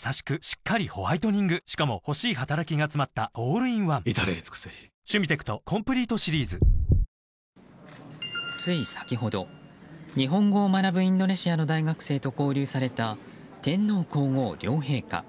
しっかりホワイトニングしかも欲しい働きがつまったオールインワン至れり尽せりつい先ほど、日本語を学ぶインドネシアの大学生と交流された天皇・皇后両陛下。